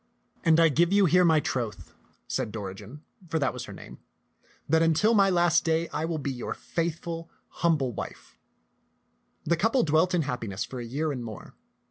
" And I give you here my troth," said Dori gen, for that was her name, that until my last day I will be your faithful, humble wife." The couple dwelt in happiness for a year and more.